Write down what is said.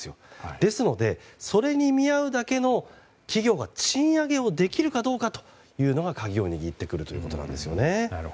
ですので、それに見合うだけの企業が賃上げをできるかどうかが鍵を握ってくるということなんですね。